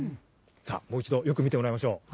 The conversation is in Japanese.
さあ、もう一度よく見てもらいましょう。